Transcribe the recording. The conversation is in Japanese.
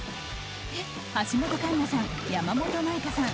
橋本環奈さん、山本舞香さん